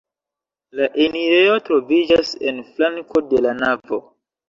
La enirejo troviĝas en flanko de la navo.